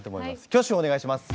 挙手をお願いします。